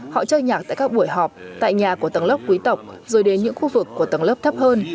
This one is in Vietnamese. họ chơi nhạc tại các buổi họp tại nhà của tầng lớp quý tộc rồi đến những khu vực của tầng lớp thấp hơn